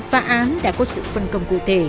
phá án đã có sự phân công cụ thể